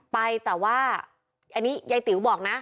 ไปแต่ว่าอันนี้ยายติ๋วบอกนะ